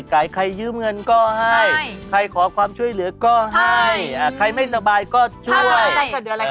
ใครยืมเงินก็ให้ใครขอความช่วยเหลือก็ให้ใครไม่สบายก็ช่วย